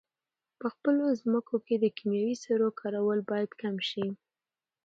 په خپلو مځکو کې د کیمیاوي سرو کارول باید کم شي.